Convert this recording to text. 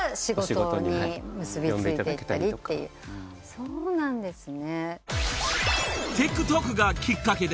そうなんですね。